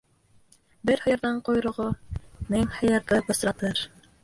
Бер һыйырҙың ҡойроғо мең һыйырҙы бысратыр.